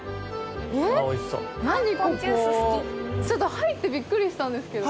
入ってびっくりしたんですけど。